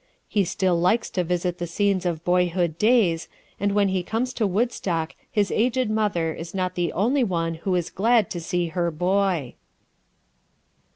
He still likes to visit the scenes of boyhood days, and when he comes to Woodstock his aged mother is not the only one who is glad to see her boy.